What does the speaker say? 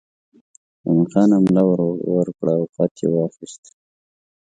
مومن خان حمله ور کړه او خط یې واخیست.